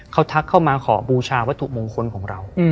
เขาทักเข้ามาขอบูชาวัตถุมงคลของเรา